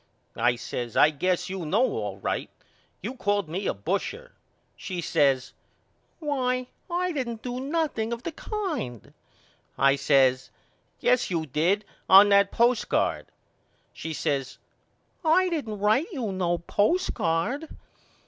I says I guess you know all right. You called me a busher. She says Why I didn't do nothing of the kind. I says Yes you did on that postcard. She says I didn't write you no postcard.